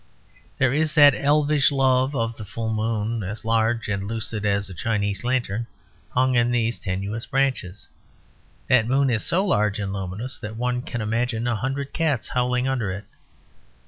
There is that elvish love of the full moon, as large and lucid as a Chinese lantern, hung in these tenuous branches. That moon is so large and luminous that one can imagine a hundred cats howling under it.